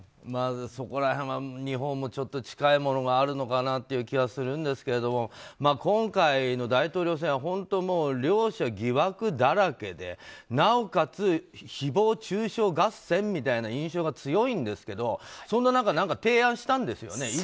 そこら辺は日本も近いものがあるのかなという気はするんですけれども今回の大統領選は本当、両者疑惑だらけでなおかつ誹謗中傷合戦みたいな印象が強いんですけど、そんな中提案したんですよね。